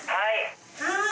はい。